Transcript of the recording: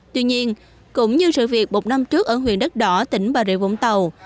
tuy nhiên cũng như sự việc một năm trước ở huyện đất đỏ tỉnh bà rịa vũng tàu